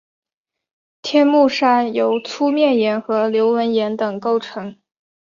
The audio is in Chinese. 天目山由粗面岩和流纹岩等构成。